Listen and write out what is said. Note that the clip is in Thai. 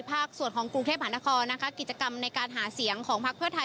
ผมพูดชัดเจนว่าเราจะทำอะไรถ้าเราจะเป็นรัฐบาล